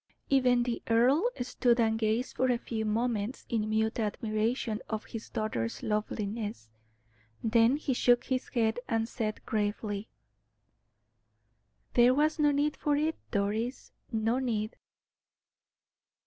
Even the earl stood and gazed for a few moments in mute admiration of his daughter's loveliness; then he shook his head, and said, gravely: "There was no need for it, Doris no need."